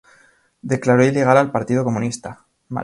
Declaró ilegal al Partido Comunista.